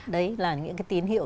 đấy là những cái tín hiệu